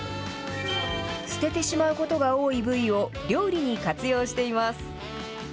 捨ててしまうことが多い部位を料理に活用しています。